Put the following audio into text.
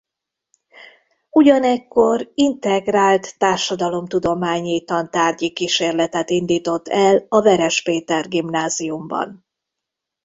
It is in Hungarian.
Ugyanekkor integrált társadalomtudományi tantárgyi kísérletet indított el a Veres Péter Gimnáziumban.